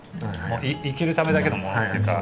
もう生きるためだけのものというか。